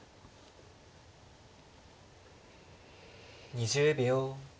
２０秒。